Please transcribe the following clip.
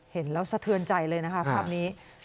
เห็นแล้วสะเทือนใจเลยนะคะภาพนี้